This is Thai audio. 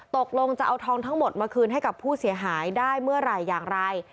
ตกลงจะเอาทองทั้งหมดมาคืนให้กับผู้เสียหายได้เมื่อไหร่อย่างไร